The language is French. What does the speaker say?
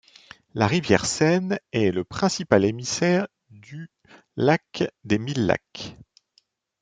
La rivière Seine est le principal émissaire du lac des Mille lacs.